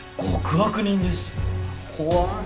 怖い。